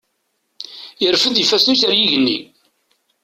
Irfed ifassen-is ar yigenni.